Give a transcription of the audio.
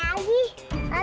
masalah kestel nih